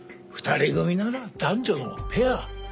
２人組なら男女のペア。